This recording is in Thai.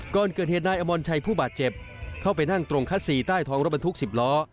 ก่อนเกิดเหตุนายอมรชัยผู้บาดเจ็บเข้าไปนั่งตรงคัดซีใต้ท้องรถบรรทุก๑๐ล้อ